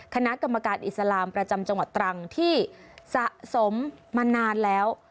คณะกรรมการอิสลามประจำจังหวัดตรังที่สะสมมานานแล้ว